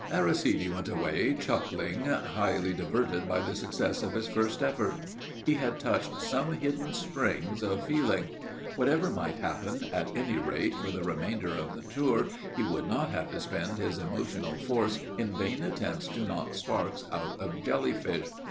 Aristide went away chuckling, highly diverted by the success of his first effort. He had touched some hidden springs of feeling. Whatever might happen, at any rate, for the remainder of the tour he would not have to spend his emotional force in vain attempts to knock sparks out of a jelly fish.